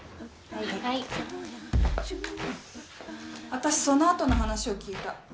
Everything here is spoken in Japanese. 私その後の話を聞いた。